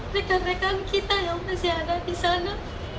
rekan rekan kita yang masih ada di sana